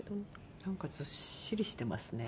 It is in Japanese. なんかずっしりしてますね。